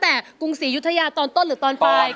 ด้านล่างเขาก็มีความรักให้กันนั่งหน้าตาชื่นบานมากเลยนะคะ